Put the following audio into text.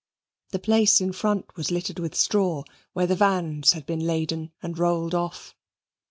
The place in front was littered with straw where the vans had been laden and rolled off.